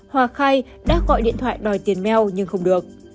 hòa khai đã gọi điện thoại đòi tiền mel nhưng không được